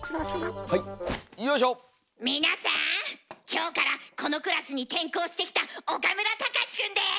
今日からこのクラスに転校してきた岡村隆史くんです！